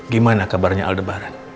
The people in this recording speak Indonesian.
gimana kabarnya aldebaran